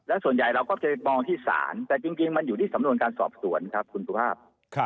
ส่วนใหญ่เราก็ไปมองที่ศาลแต่จริงมันอยู่ที่สำนวนการสอบสวนครับคุณสุภาพ